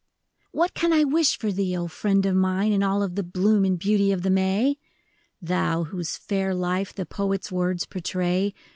HAT can I wish for thee, O friend of mine ! In all the bloom and beauty of the May? Thou, whose fair life the poet's words por tray.